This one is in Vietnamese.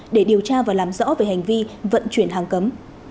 để điều tra và làm rõ về hành vi vận chuyển hàng cấm